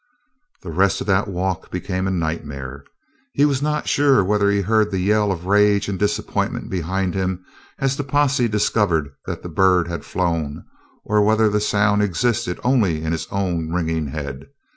The rest of that walk became a nightmare. He was not sure whether he heard the yell of rage and disappointment behind him as the posse discovered that the bird had flown or whether the sound existed only in his own ringing head.